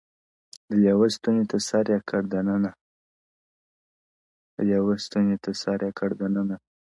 د لېوه ستوني ته سر یې کړ دننه.!